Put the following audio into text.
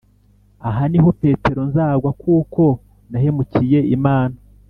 Aha ni ho petero nzagwa kuko nahemukiye imana